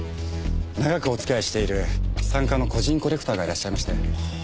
長くおつきあいしている資産家の個人コレクターがいらっしゃいまして。